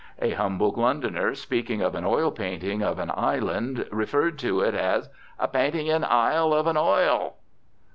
A humble Londoner, speaking of an oil painting of an island, referred to it as "a painting in ile of an oil."